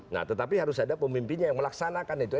nah tetapi harus ada pemimpinnya yang melaksanakan itu